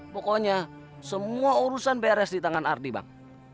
pokoknya semua urusan beres di tangan ardi bang